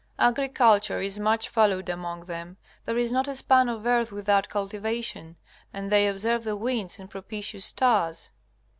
Agriculture is much followed among them; there is not a span of earth without cultivation, and they observe the winds and propitious stars.